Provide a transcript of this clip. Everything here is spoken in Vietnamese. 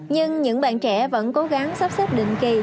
nhưng những bạn trẻ vẫn cố gắng sắp xếp định kỳ